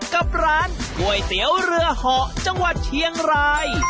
กับร้านก๋วยเตี๋ยวเรือเหาะจังหวัดเชียงราย